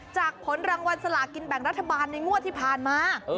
จากผลหลังวัลสลากินแบ่งรัฐบาลในมั่วที่ผ่านมา